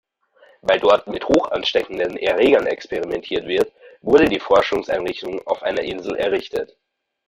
Weil dort mit hochansteckenden Erregern experimentiert wird, wurde die Forschungseinrichtung auf einer Insel errichtet.